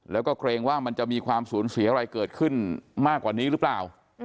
แล้วก็เกรงว่ามันจะมีความสูญเสียอะไรเกิดขึ้นมากกว่านี้หรือเปล่า